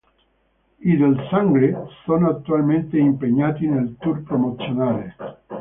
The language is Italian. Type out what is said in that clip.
I "Del Sangre" sono attualmente impegnati nel tour promozionale.